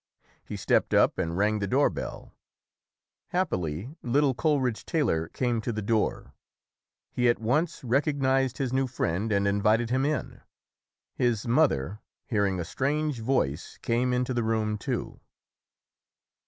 He stepped up and rang the door bell. Happily little Coleridge Taylor came to the door; he at once recognized his new friend and invited him in. His mother, hearing a strange voice, came into the room, too.